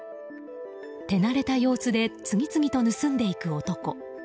手慣れた様子で次々と盗んでいく男。